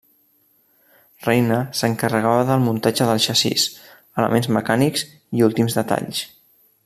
Reina s'encarregava del muntatge del xassís, elements mecànics i últims detalls.